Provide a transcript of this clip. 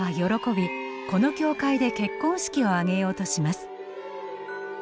この教会で結婚式を挙げようとします。